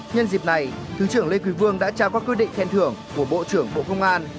nhân dịp này thứ trưởng lê quý vương đã trao các quyết định khen thưởng của bộ trưởng bộ công an